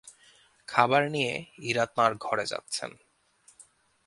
খাবার নিয়ে ইরা তাঁর ঘরে যাচ্ছেন।